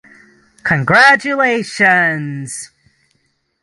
Congratulations!